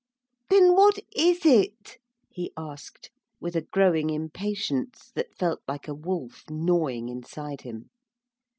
'Then what is it?' he asked, with a growing impatience that felt like a wolf gnawing inside him.